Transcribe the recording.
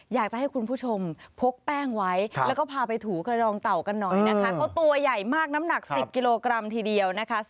อยากจะให้คุณผู้ชมพกแป้งไว้